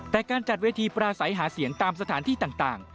แต่การจัดเวทีปราศัยหาเสียงตามสถานที่ต่าง